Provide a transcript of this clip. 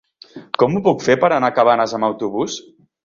Com ho puc fer per anar a Cabanes amb autobús?